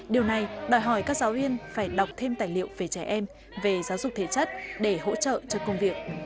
điều này đòi hỏi các giáo viên phải đọc thêm tài liệu về trẻ em về giáo dục thể chất để hỗ trợ cho công việc